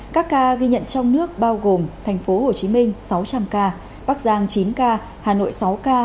các ca ghi nhận trong nước bao gồm thành phố hồ chí minh sáu trăm linh ca bắc giang chín ca hà nội sáu ca